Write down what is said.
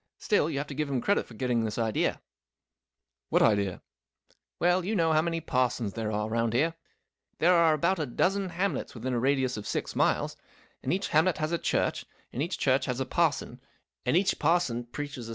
Still, you have to give him credit for getting this idea/* 11 What idea ?"" Well, you know how many parsons there are round about here. There are about a dozen hamlets within a radius of six miles, and each hamlet has a church and each church has a parson and each parson preaches swim in the lake.